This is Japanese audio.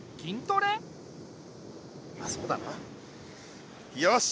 まっそうだなよし！